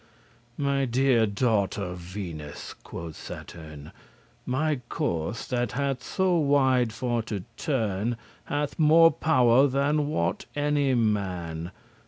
"My deare daughter Venus," quoth Saturn, "My course*, that hath so wide for to turn, *orbit <71> Hath more power than wot any man.